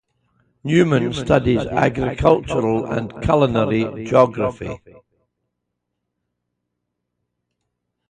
Newman studies agricultural and culinary geography.